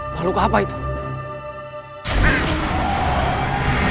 umur bagian bawah tinggi